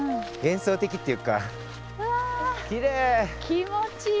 気持ちいい！